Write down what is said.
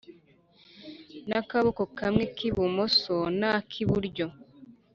n’akaboko kamwe k’ibumoso na kiburyo